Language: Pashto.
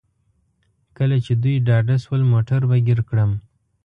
کله چې دوی ډاډه شول موټر به ګیر کړم.